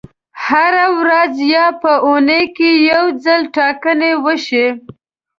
هره ورځ یا په اونۍ کې یو ځل ټاکنې وشي.